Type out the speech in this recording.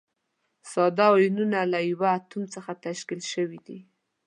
ساده ایونونه له یوه اتوم څخه تشکیل شوي دي.